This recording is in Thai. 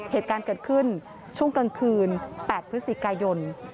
เหตุการณ์เกิดขึ้นช่วงกลางคืน๘พฤศจิกายน